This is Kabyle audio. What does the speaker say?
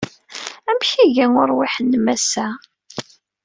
Amek iga uṛwiḥ-nnem ass-a?